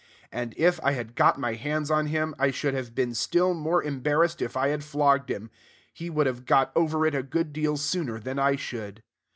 And, if I had got my hands on him, I should have been still more embarrassed. If I had flogged him, he would have got over it a good deal sooner than I should.